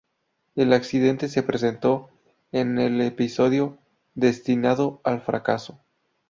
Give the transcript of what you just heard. El accidente se presentó en en el episodio "Destinado al Fracaso".